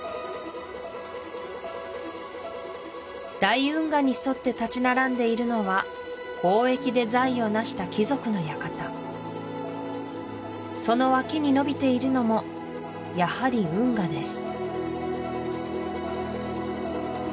大運河に沿って立ち並んでいるのは交易で財を成した貴族の館その脇に延びているのもやはり運河です